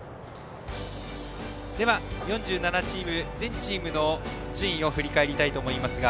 では、４７チーム全チームの順位を振り返りたいと思います。